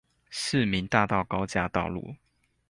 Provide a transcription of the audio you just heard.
市民大道高架道路